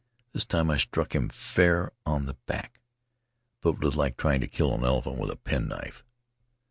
This time I struck him fair on the back, but it was like trying to kill an elephant with a penknife.